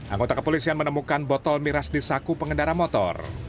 anggota kepolisian menemukan botol miras di saku pengendara motor